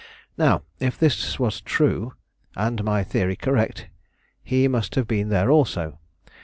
Now, if his was true, and my theory correct, he must have been there also.